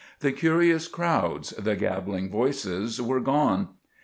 The curious crowds, the gabbling voices were gone.